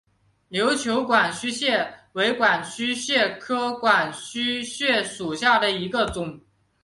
琉球管须蟹为管须蟹科管须蟹属下的一个种。